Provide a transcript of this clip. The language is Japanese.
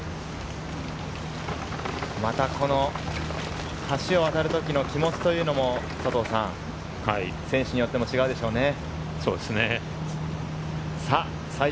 また、この橋を渡る時の気持ちというのも佐藤さん、選手によっても違うでしょうね。